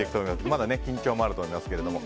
まだ緊張もあると思いますが。